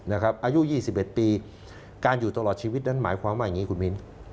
อายุ๒๑ปีการอยู่ตลอดชีวิตนั้นหมายความว่าอย่างนี้คุณมิ้น